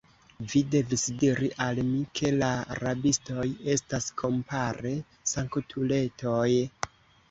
Vi devis diri al mi, ke la rabistoj estas, kompare, sanktuletoj!